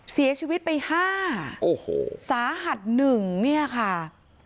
เสียชีวิตไป๕สาหัส๑เนี่ยค่ะ